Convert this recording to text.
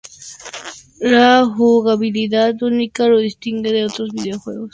La jugabilidad única lo distingue de otros videojuegos de plataformas.